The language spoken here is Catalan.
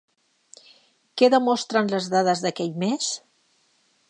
Què demostren les dades d'aquell mes?